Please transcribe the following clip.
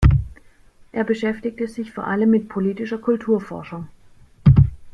Er beschäftigte sich vor allem mit politischer Kulturforschung.